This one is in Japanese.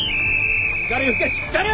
しっかり吹けしっかり！